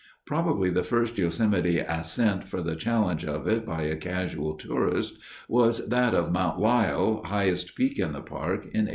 Probably the first Yosemite ascent for the challenge of it by a casual tourist was that of Mount Lyell, highest peak in the park, in 1871.